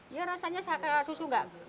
iya rasanya susu